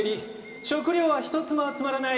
食料は一つも集まらない。